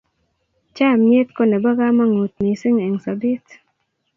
chamiet ko nebo kamangut missing eng sabet